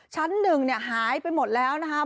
ชั้นหนึ่งเนี่ยหายไปหมดแล้วนะคะ